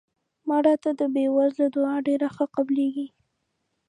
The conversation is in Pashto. مړه ته د بې وزلو دعا ډېره قبلیږي